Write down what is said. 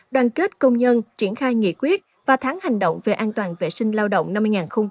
đoàn kết công nhân triển khai nghị quyết và tháng hành động về an toàn vệ sinh lao động năm hai nghìn hai mươi bốn